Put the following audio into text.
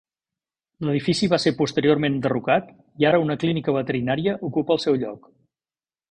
L'edifici va ser posteriorment enderrocat i ara una clínica veterinària ocupa el seu lloc.